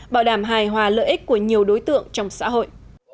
bảo đảm hài hòa lợi ích của nhiều đối tượng trong xã hội